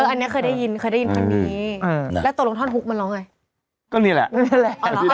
เอออันนี้เคยได้ยินเคยได้ยินทางนี้อืมอืมแล้วตรงท่อนฮุกมันร้องไง